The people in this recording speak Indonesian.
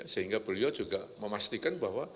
sehingga beliau juga memastikan bahwa